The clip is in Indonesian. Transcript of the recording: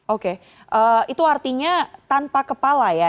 oke itu artinya tanpa kepala ya